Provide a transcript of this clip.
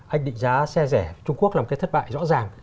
anh định giá xe rẻ trung quốc là một cái thất bại rõ ràng